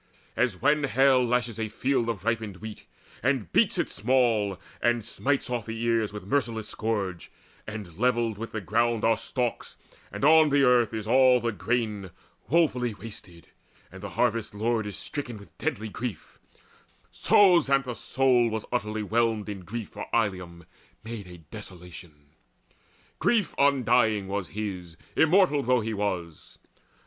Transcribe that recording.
As when hail lashes a field of ripened wheat, And beats it small, and smites off all the ears With merciless scourge, and levelled with the ground Are stalks, and on the earth is all the grain Woefully wasted, and the harvest's lord Is stricken with deadly grief; so Xanthus' soul Was utterly whelmed in grief for Ilium made A desolation; grief undying was his, Immortal though he was.